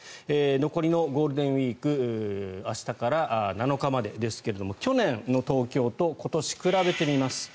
残りのゴールデンウィーク明日から７日までですが去年の東京と今年を比べてみます。